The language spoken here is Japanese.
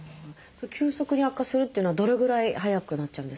急速に悪化するっていうのはどれぐらい早くなっちゃうんですか？